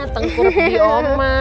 tengkurup di oma